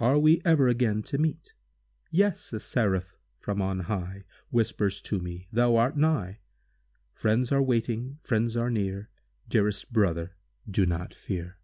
Are we e'er again to meet? Yes, a Seraph from on high Whispers to me, thou art nigh! Friends are waiting—friends are near— Dearest brother—do not fear!